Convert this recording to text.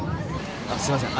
すいません